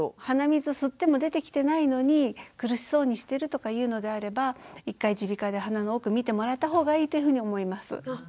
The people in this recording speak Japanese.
鼻水吸っても出てきてないのに苦しそうにしてるとかいうのであれば一回耳鼻科で鼻の奥診てもらった方がいいというふうに思います。